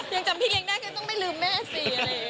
ยังจำพี่เรียงหน้าเกลียดต้องไปลืมแม่สิ